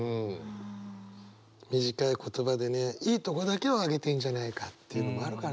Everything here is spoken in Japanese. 短い言葉でねいいとこだけをあげてんじゃないかっていうのもあるからね。